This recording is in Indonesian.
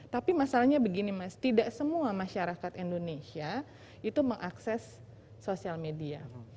tapi masalahnya begini mas tidak semua masyarakat indonesia itu mengakses sosial media